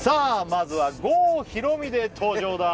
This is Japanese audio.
まずは郷ひろみで登場だ